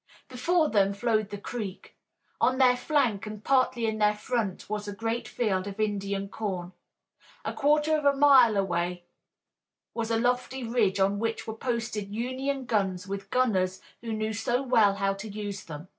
Before them flowed the creek. On their flank and partly in their front was a great field of Indian corn. A quarter of a mile away was a lofty ridge on which were posted Union guns with gunners who knew so well how to use them.